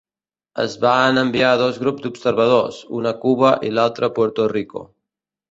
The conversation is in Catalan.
Es van enviar dos grups d'observadors, un a Cuba i l'altre a Puerto Rico.